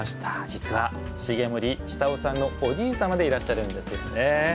実は重森千さんのおじい様でいらっしゃるんですよね。